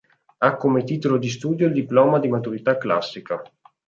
Ha come titolo di studio il diploma di maturità classica.